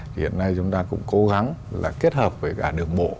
hiện nay chúng ta cũng cố gắng là kết hợp với cả đường bộ